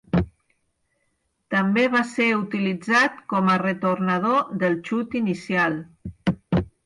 També va ser utilitzat com a retornador del xut inicial.